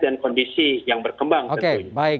dan kondisi yang berkembang tentunya